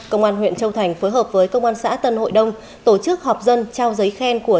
công an huyện châu thành phối hợp với công an xã tân hội đông tổ chức họp dân trao giấy khen của